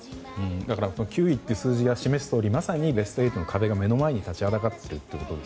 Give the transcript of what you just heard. ９位という数字が示すとおりまさにベスト８の壁が目の前に立ちはだかっていると。